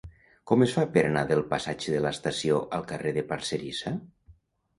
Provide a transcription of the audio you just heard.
Com es fa per anar del passatge de l'Estació al carrer de Parcerisa?